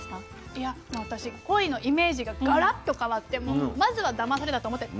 いや私コイのイメージがガラッと変わってまずはだまされたと思って食べてほしい。